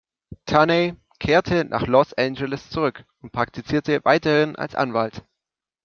Tunney kehrte nach Los Angeles zurück und praktizierte weiterhin als Anwalt.